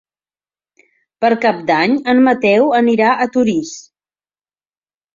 Per Cap d'Any en Mateu anirà a Torís.